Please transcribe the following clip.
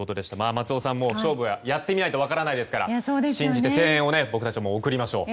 松尾さん勝負はやってみないと分からないですから信じて声援を僕たちも送りましょう。